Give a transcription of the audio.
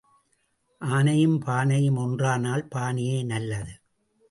ஆனையும் பானையும் ஒன்றானால் பானையே நல்லது.